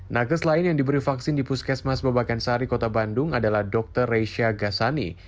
nages lain yang diberi vaksin di puskesmas babakensari kota bandung adalah dokter reysia ghassani